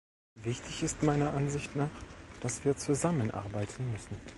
Wichtig ist meiner Ansicht nach, dass wir zusammenarbeiten müssen.